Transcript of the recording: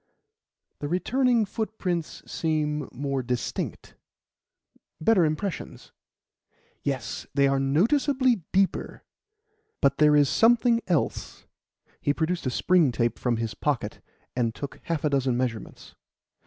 "The returning footprints seem more distinct better impressions." "Yes; they are noticeably deeper. But there is something else." He produced a spring tape from his pocket, and took half a dozen measurements.